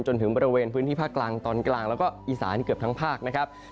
จนถึงบริเวณพื้นที่ภาคกลางตอนกลางแล้วก็อีสานเกือบทั้งภาคนะครับ